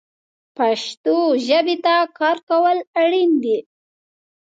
پښتو ژبې ته کار کول اړین دي